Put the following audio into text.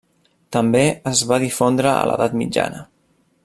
També es va difondre a l'edat mitjana.